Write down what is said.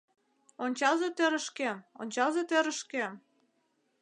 Ончалза тӧрышкем, ончалза тӧрышкем